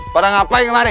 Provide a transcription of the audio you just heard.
pada ngapain kemari